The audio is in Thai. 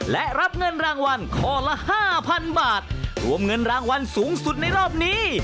และรับเงินรางวัลข้อละห้าพันบาทรวมเงินรางวัลสูงสุดในรอบนี้